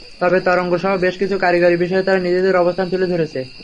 তবে তরঙ্গসহ বেশ কিছু কারিগরি বিষয়ে তারা নিজেদের অবস্থান তুলে ধরেছে।